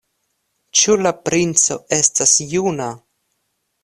Ĉu la princo estas juna?